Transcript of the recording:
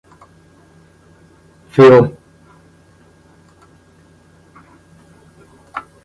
Phil.